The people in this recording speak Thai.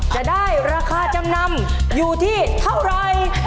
จะได้ราคาจำนำอยู่ที่เท่าไร